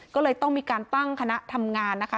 ก็เลยต้องมีการตั้งคณะทำงานนะคะ